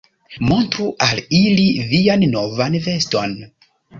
Montru al ili vian novan veston.